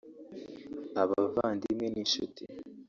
abavandimwe n’inshuti